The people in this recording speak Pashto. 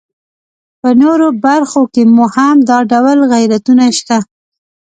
په نورو برخو کې مو هم دا ډول غیرتونه شته.